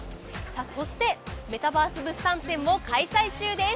そして、メタバース物産展も開催中です。